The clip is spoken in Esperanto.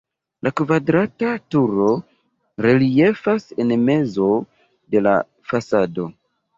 La kvadrata turo reliefas en mezo de la fasado.